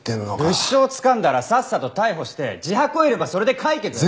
物証つかんだらさっさと逮捕して自白を得ればそれで解決です！